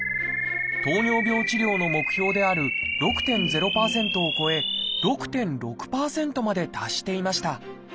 糖尿病治療の目標である６．０％を超え６．６％まで達していました。